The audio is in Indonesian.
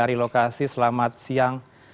hari lokasi selamat siang